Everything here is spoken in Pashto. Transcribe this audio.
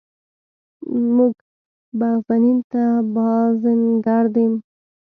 موږ بغزنین ته بازنګردیم.